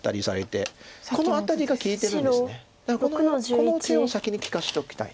この手を先に利かしておきたい。